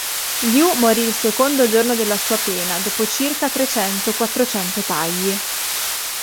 Liu morì il secondo giorno della sua pena, dopo circa trecento-quattrocento tagli.